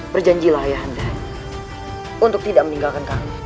berjanjilah ayahanda untuk tidak meninggalkan kami